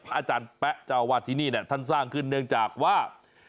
อาจารย์แป๊ะเจ้าวาดที่นี่ท่านสร้างขึ้นเนื่องจากว่า